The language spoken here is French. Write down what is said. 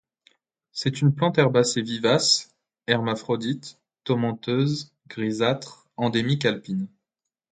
C'est une plante herbacée vivace, hermaphrodite, tomenteuse, grisâtre, endémique alpine.